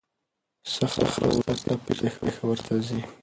څخه ورورسته بېرته پېښور ته ځي.